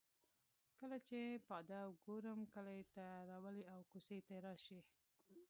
کله چې پاده او ګورم کلي ته راولي او کوڅې ته راشي.